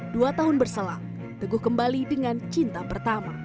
dua tahun berselang teguh kembali dengan cinta pertama